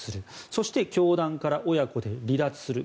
そして教団から親子で離脱する。